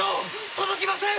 届きません！